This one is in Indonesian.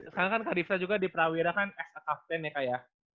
sekarang kan kak ripsa juga di prawira kan as a captain ya kak ya